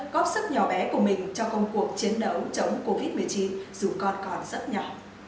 góp sức nhỏ bé của mình trong công cuộc chiến đấu chống covid một mươi chín dù con còn rất nhỏ